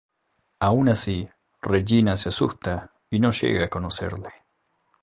Aun así, Regina se asusta y no llega a conocerle.